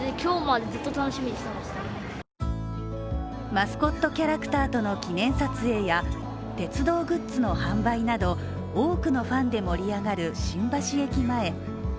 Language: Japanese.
マスコットキャラクターとの記念撮影や鉄道グッズの販売など多くのファンで盛り上がる新橋駅前。